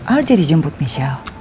aduh jadi jemput michelle